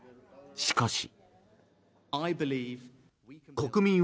しかし。